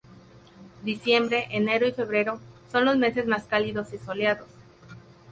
Diciembre, enero y febrero son los meses más cálidos y soleados.